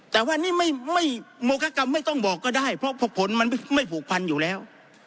แต่ว่านี่ไม่โมคกรรมไม่ต้องบอกก็ได้เพราะผลมันไม่ผูกพันอยู่แล้ว